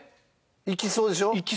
行きそうでしょ？